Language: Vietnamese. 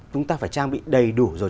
chúng ta phải trang bị đầy đủ rồi